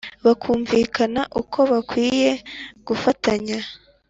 bakumvikana uko bakwiriye gufatanya